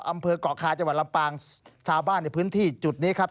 อำเภอกราชชาวัญลำปางชาวบ้านอยู่พื้นที่จุดนี้ครับ